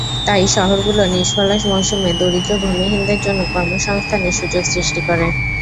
তাই শহরগুলো নিষ্ফলা মৌসুমে দরিদ্র ভূমিহীনদের জন্য কর্মসংস্থানের সুযোগ সৃষ্টি করে।